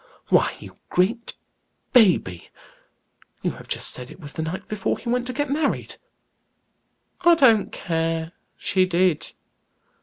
"Why, you great baby! You have just said it was the night before he went to get married!" "I don't care, she did.